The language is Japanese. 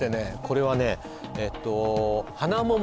これはねえっと花桃？